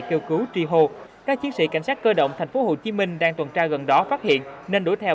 kêu cứu trì hồ các chiến sĩ cảnh sát cơ động tp hcm đang tuần tra gần đó phát hiện nên đuổi theo